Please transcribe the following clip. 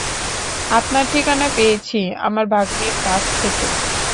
আপনার ঠিকানা পেয়েছি আমার ভাগ্নির কাছ থেকে।